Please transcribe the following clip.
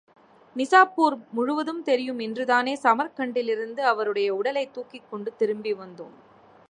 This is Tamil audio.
நிசாப்பூர் முழுவதும் தெரியும் இன்றுதானே சாமர்க்கண்டிலிருந்து அவருடைய உடலைத் தூக்கிக் கொண்டு திரும்பி வந்தோம்.